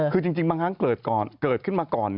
คือจริงบางครั้งเกิดขึ้นมาก่อน